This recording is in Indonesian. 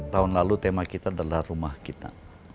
tahun lalu tema kita adalah rumah kita